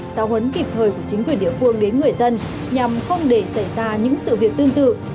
giáo huấn kịp thời của chính quyền địa phương đến người dân nhằm không để xảy ra những sự việc tương tự